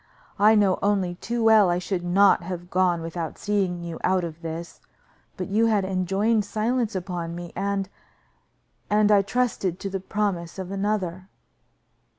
I know only too well I should not have gone without seeing you out of this, but you had enjoined silence upon me, and and I trusted to the promises of another."